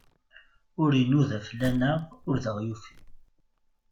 Ur inuda fell-aneɣ, ur aɣ-yufi.